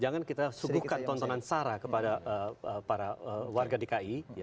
jangan kita subuhkan tontonan sarah kepada para warga dki